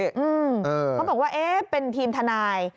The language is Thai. เขาบอกว่าเอ๊ะเป็นทีมทนาย